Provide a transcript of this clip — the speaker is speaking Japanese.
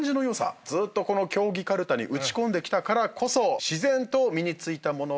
ずっとこの競技かるたに打ち込んできたからこそ自然と身に付いたものとは思うんですが。